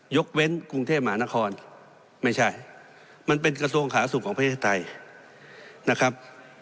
ยกเว้นกรุงเทพมหานครไม่ใช่มันเป็นกระทรวงขาสุขของประเทศไทยนะครับ